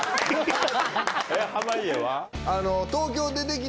濱家は？